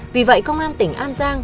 vì vậy công an tỉnh an giang